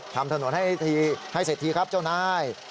ทำถนนให้เสร็จทีครับเจ้านาย